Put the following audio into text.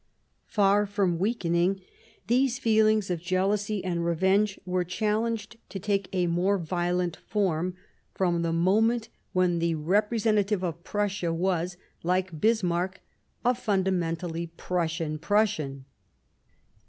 Far from weakening, these feehngs of jealousy and revenge were chal lenged to take a more violent form from the moment 35 Bismarck when the representative of Prussia was, like Bis marck, a fundamentally Prussian Prussian.